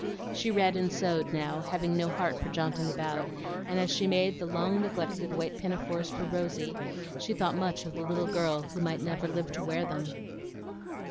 She read and sewed now, having no heart for jaunting about; and as she made the long neglected white pinafores, for Rosy, she thought much of the little girl who might never live to wear them.